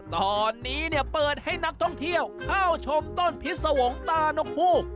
ตอนนี้เปิดให้นักท่องเที่ยวเข้าชมต้นพิษวงตานกฮูก